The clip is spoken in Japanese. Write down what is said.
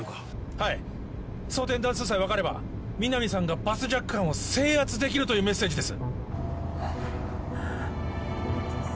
はい装填弾数さえ分かれば皆実さんがバスジャック犯を制圧できるというメッセージです